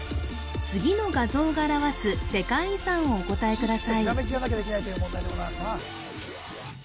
次の画像が表す世界遺産をお答えください